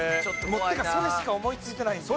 っていうかそれしか思いついてないんです。